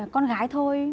con gái thôi